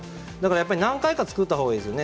何回か作ったほうがいいですよね